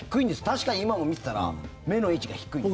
確かに今も見てたら目の位置が低いです。